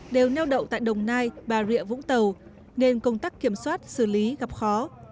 đều neo đậu tại đồng nai bà rịa vũng tàu nên công tác kiểm soát xử lý gặp khó